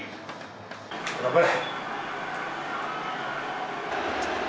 頑張れ！